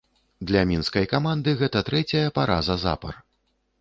Для мінскай каманды гэта трэцяя параза запар.